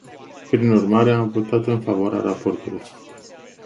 Prin urmare, am votat în favoarea raportului.